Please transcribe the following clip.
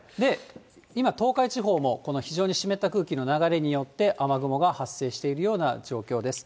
今、東海地方もこの非常に湿った空気の流れによって雨雲が発生しているような状況です。